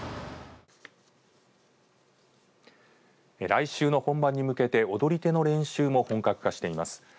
来週の本番に向けて踊り手の練習も本格化しています。